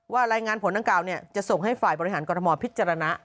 ว่ารายงานผลตั้งกล่าวนี้จะส่งให้ฝ่ายบริหารกรมธรรมพิจารณา